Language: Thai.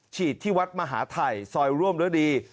ฉีดที่วัดมหาธัยซอยร่วมด้วยดี